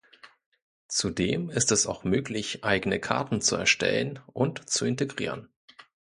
Zudem ist es auch möglich, eigene Karten zu erstellen und zu integrieren.